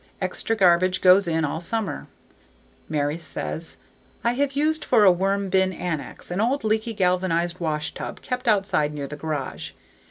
Extra garbage goes in all summer. Mary says: "I have used for a "worm bin annex" an old leaky galvanized washtub, kept outside near the garage.